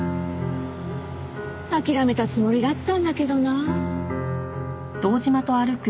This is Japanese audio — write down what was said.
諦めたつもりだったんだけどな。